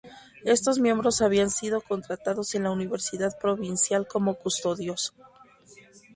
Estos miembros habían sido contratados en la Universidad Provincial como custodios.